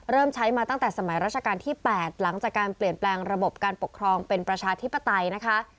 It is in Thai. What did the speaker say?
เริ่มใช้มาตั้งแต่สมัยราชการที่๘หลังจากการเปลี่ยนแปลงระบบการปกครองเป็นประชาธิปไตยนะคะ